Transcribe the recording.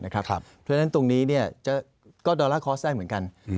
เพราะฉะนั้นตรงนี้ก็ดอลลาร์คอร์สได้เหมือนกัน